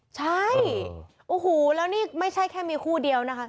ใช่โอ้โหแล้วนี่ไม่ใช่แค่มีคู่เดียวนะคะ